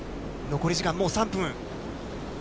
残り時間もう３分。